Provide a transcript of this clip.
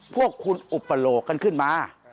พวกคุณอุปโลกกันขึ้นมา